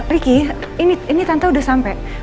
riki ini tante udah sampe